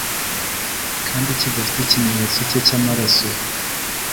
kandi kidafite ikimenyetso cye cyamaraso.